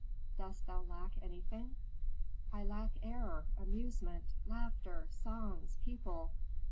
"Dost thou lack anything?" "I lack air, amusement, laughter, songs, people.